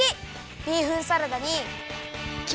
ビーフンサラダにきまり！